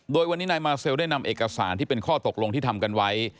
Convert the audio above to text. โดยวันนี้นายมาเซลได้นำเอกสารที่เป็นข้อตกลงที่ทำกันไว้